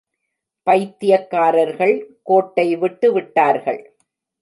பைத்தியக்காரர்கள் கோட்டை விட்டு விட்டார்கள்!.